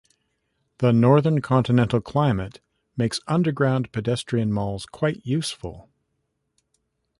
The northern continental climate makes underground pedestrian malls quite useful.